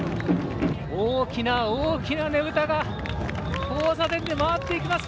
大きな大きな、ねぶたが交差点で回っていきます。